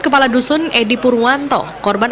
kepala dusun edi purwanto korban